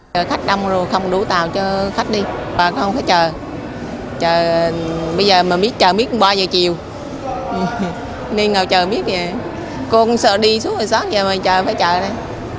giờ khách đông rồi không đủ tàu cho khách đi bà không phải chờ bây giờ mà chờ biết cũng ba giờ chiều đi ngồi chờ biết vậy cô cũng sợ đi suốt ngày sáng giờ mà chờ phải chờ đây